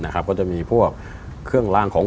ก็จะมีพวกเครื่องลางของ